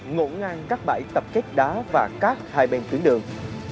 ngộ ngang các bãi tập kết đá và các hai bên tuyến đường